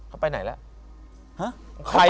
เขาไปไหนแล้ว